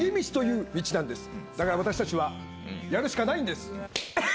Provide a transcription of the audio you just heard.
だから私たちはやるしかないんです。